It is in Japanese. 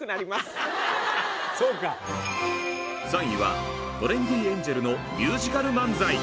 ３位はトレンディエンジェルのミュージカル漫才！